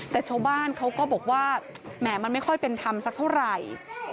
แต่ชาวบ้านเขาก็บอกว่าแหมมันไม่ค่อยเป็นธรรมสักเท่าไหร่